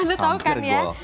anda tau kan ya